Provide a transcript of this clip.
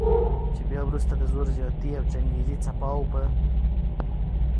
چې بیا وروسته د زور زیاتی او چنګیزي څپاو په